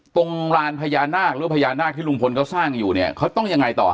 ตรงลานพญานาคหรือพญานาคที่ลุงพลเขาสร้างอยู่เนี่ยเขาต้องยังไงต่อ